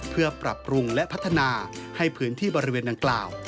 เพื่อปรับปรุงและพัฒนาให้พื้นที่บริเวณดังกล่าว